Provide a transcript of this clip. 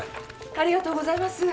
ありがとうございます。